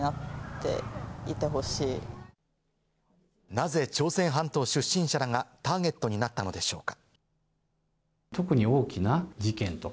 なぜ朝鮮半島出身者らがターゲットになったのでしょうか。